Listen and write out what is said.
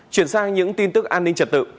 chuyển sang những tin tức an ninh trật tự